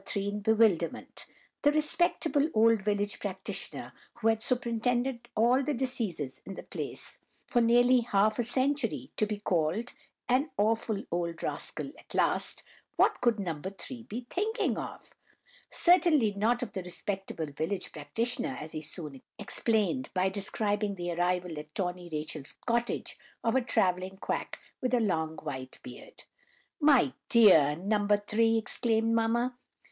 3 in bewilderment. The respectable old village practitioner, who had superintended all the deceases in the place for nearly half a century—to be called "an awful old rascal" at last! What could No. 3 be thinking of? Certainly not of the respectable village practitioner, as he soon explained, by describing the arrival at Tawny Rachel's cottage of a travelling quack with a long white beard. "My dear No. 3!" exclaimed mamma.